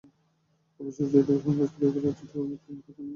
অবশ্য চিঠিতে সমাবেশ করার ব্যাপারে সিটি করপোরেশনের কাছে অনুমতি চাওয়া হয়নি।